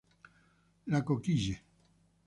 La Coquille